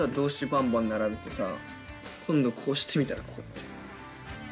ばんばん並べてさ今度こうしてみたらこうやって。